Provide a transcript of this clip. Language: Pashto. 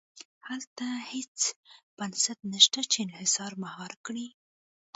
هلته هېڅ بنسټ نه شته چې انحصار مهار کړي.